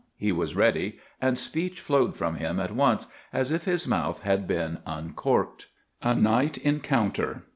He was ready, and speech flowed from him at once, as if his mouth had been just uncorked. A NIGHT ENCOUNTER.